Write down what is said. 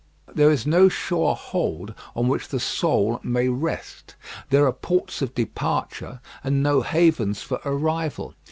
There is no sure hold on which the soul may rest. There are ports of departure, and no havens for arrival.